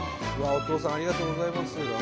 お父さんありがとうございます。